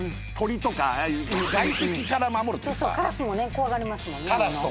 カラスも怖がりますもんね。